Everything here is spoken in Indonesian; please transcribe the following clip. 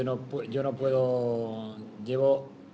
saya tidak bisa